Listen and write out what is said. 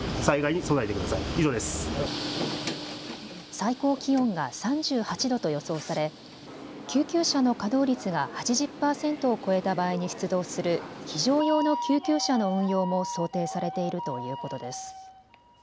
最高気温が３８度と予想され救急車の稼働率が８０％を超えた場合に出動する非常用の救急車の運用も想定されているということです。